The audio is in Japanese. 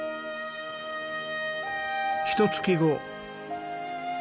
ひと月後。